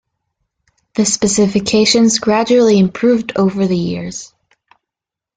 The specification gradually improved over the years.